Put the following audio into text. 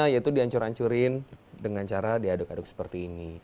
yaitu dihancur ancurin dengan cara diaduk aduk seperti ini